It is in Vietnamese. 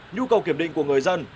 nhu cầu kiểm định của người dân